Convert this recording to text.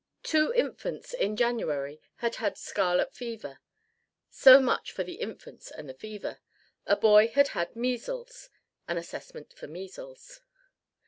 Two infants in January had had scarlet fever; so much for the infants and the fever. A boy had had measles; an assessment for measles.